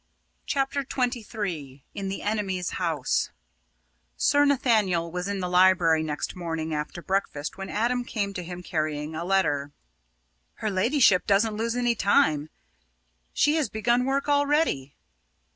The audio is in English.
CHAPTER XXIII IN THE ENEMY'S HOUSE Sir Nathaniel was in the library next morning, after breakfast, when Adam came to him carrying a letter. "Her ladyship doesn't lose any time. She has begun work already!"